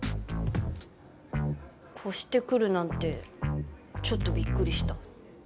越してくるなんてちょっとびっくりした。